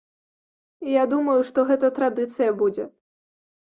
Я думаю, што гэта традыцыя будзе.